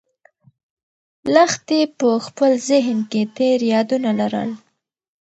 لښتې په خپل ذهن کې تېر یادونه لرل.